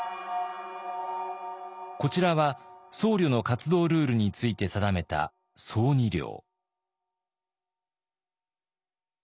こちらは僧侶の活動ルールについて定めた僧尼令。